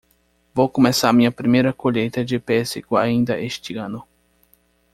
Vou começar minha primeira colheita de pêssego ainda este ano.